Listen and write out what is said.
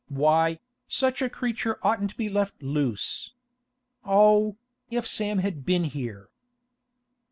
Why, such a creature oughtn't be left loose. Oh, if Sam had been here!